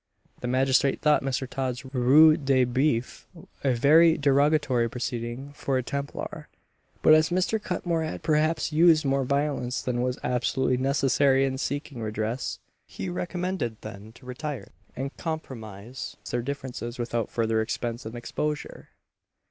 The magistrate thought Mr. Todd's ruse de boeuf a very derogatory proceeding for a Templar; but as Mr. Cutmore had perhaps used more violence than was absolutely necessary in seeking redress, he recommended them to retire, and compromise their differences without further expense and exposure.